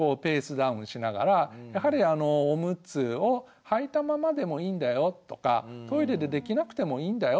ダウンしながらやはりオムツをはいたままでもいいんだよとかトイレでできなくてもいいんだよ